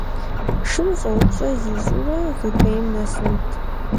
Шым щӏэупщӏэ зищӏурэ, зыхуейм нэсынт.